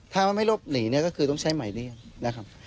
ถ้าไม่รบหนีก็คือต้องใช้ไหมเรียกนะครับ